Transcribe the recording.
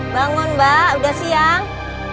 bangun mbak udah siang